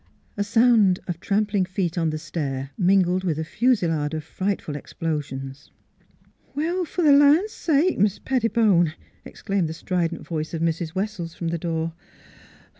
A sound of trampling feet on the stair mingled with a fusillade of frightful explosions. " Well, fer th' land sake, Mis' Pettibone !" ex claimed the strident voice of Mrs. Wessells, from the door.